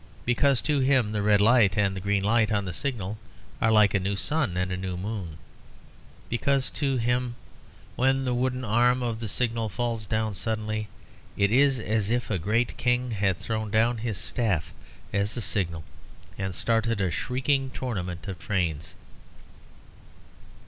Because to him the red light and the green light on the signal are like a new sun and a new moon. Because to him when the wooden arm of the signal falls down suddenly, it is as if a great king had thrown down his staff as a signal and started a shrieking tournament of trains.